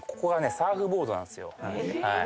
サーフボードなんですよ。